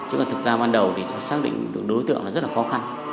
chứ là thực ra ban đầu thì xác định được đối tượng là rất là khó khăn